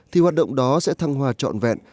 thì hoạt động đó sẽ thăng hòa trọn vẹn